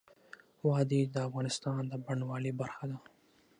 وادي د افغانستان د بڼوالۍ برخه ده.